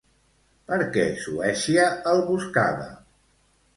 Per què Suècia el buscava?